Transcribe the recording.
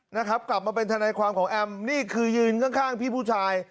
นะครับกลับมาเป็นทนายความของแอมนี่คือยืนข้างพี่ผู้ชาย